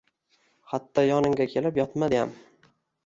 Hatto yonimga kelib yotmadiyam.